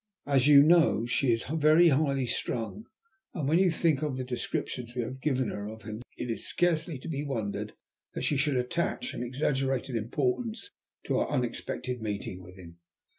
As you know she is very highly strung, and when you think of the descriptions we have given her of him, it is scarcely to be wondered at that she should attach an exaggerated importance to our unexpected meeting with him.